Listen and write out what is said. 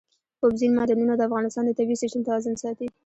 اوبزین معدنونه د افغانستان د طبعي سیسټم توازن ساتي.